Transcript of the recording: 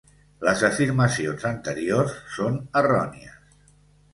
Les afirmacions anteriors són errònies.